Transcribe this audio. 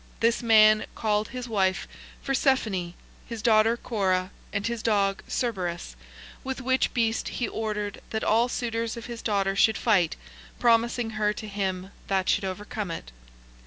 This man called his wife Phersephone, his daughter Cora, and his dog Cerberus, with which beast he ordered that all suitors of his daughter should fight, promising her to him that should overcome it.